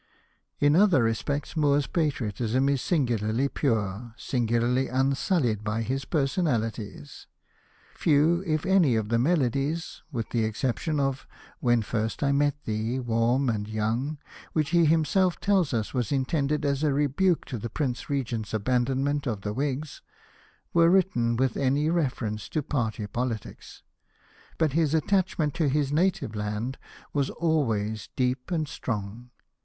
In other respects Moore's patriotism is singularly pure, singularly unsullied by personalities. Few, if any of the Melodies, with the exception of "When first I met thee warm and young," which he him self tells us was intended as a rebuke to the Prince Regent's abandonment of the Whigs, were written with any reference to party politics. But his attach ment to his native land was always deep and strong.